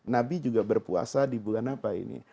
nabi juga berpuasa di bulan apa ini